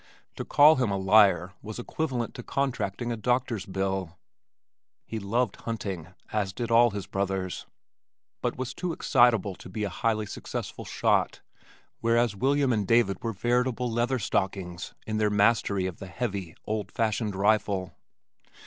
To call him a liar was equivalent to contracting a doctor's bill. He loved hunting, as did all his brothers, but was too excitable to be a highly successful shot whereas William and David were veritable Leather stockings in their mastery of the heavy, old fashioned rifle.